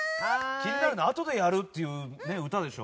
気になるなあとでやるって歌でしょ？